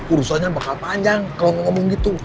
urusannya bakal panjang kalau ngomong gitu